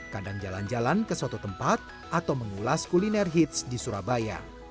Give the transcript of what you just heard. kadang jalan jalan ke suatu tempat atau mengulas kuliner hits di surabaya